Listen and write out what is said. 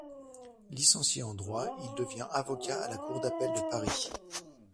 Licencié en droit, il devient avocat à la Cour d'appel de Paris.